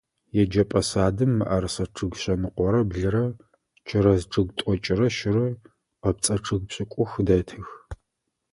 Еджэпӏэ садым мыӏэрысэ чъыг шъэныкъорэ блырэ, чэрэз чъыг тӏокӏырэ щырэ, къыпцӏэ чъыг пшӏыкӏух дэтых.